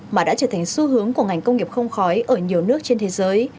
mà đã trở thành xu hướng của ngành công nghiệp không khói ở nhiều nước trên thế giới